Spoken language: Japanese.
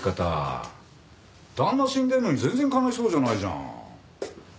旦那死んでるのに全然悲しそうじゃないじゃん。